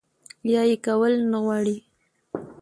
يا ئې کول نۀ غواړي